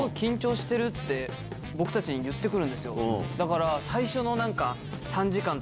だから。